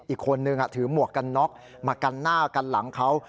อีกคนนึงถือหมวกกันน็อกมากันหน้ากันหลังเขา